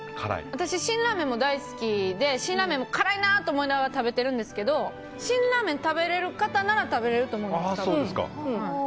私、辛ラーメンも大好きで辛ラーメンも辛いなと思いながら食べてるんですけど辛ラーメンを食べられる方なら食べれると思います。